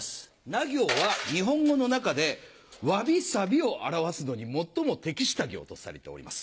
「な行」は日本語の中でわびさびを表すのに最も適した行とされております。